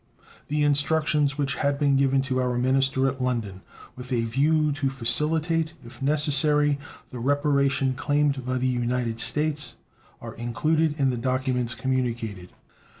The instructions which had been given to our minister at London with a view to facilitate, if necessary, the reparation claimed by the United States are included in the documents communicated.